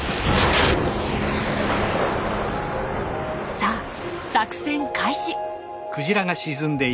さあ作戦開始！